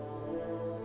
những cái kỹ năng